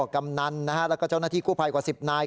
กำนันรกบกับเจ้าหน้าที่กลัวภายกว่า๑๐ท่าน